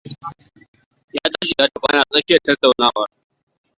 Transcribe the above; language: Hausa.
Ya tashi ya tafi ana tsakiyar tattaunawar.